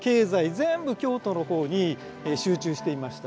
全部京都の方に集中していました。